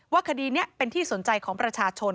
คดีนี้เป็นที่สนใจของประชาชน